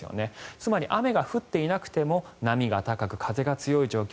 つまり雨が降っていなくても波が高く風が強い状況